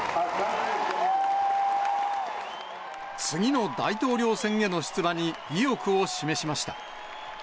次の大統領選への出馬に意欲を示しました。